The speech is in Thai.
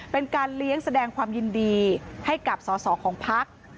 เป็นการเลี้ยงแสดงความยินดีให้กับสอสอของพัก